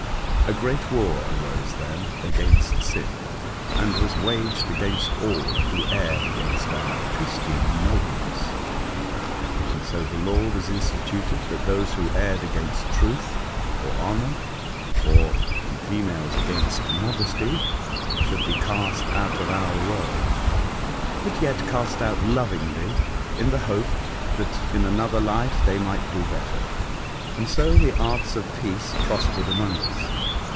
A great war arose then against Sin, and was waged against all who erred against our pristine nobleness ; and so the law was instituted that those who erred against truth, or honour, or (in females) against modesty, should be cast out of our world ; but yet cast out lovingly, in A Martian Instructor, 119 the hope that in another Hfe they might do better. And so the arts of peace prospered among us.